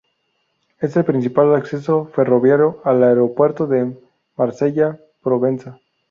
Es el principal acceso ferroviario al Aeropuerto de Marsella-Provenza.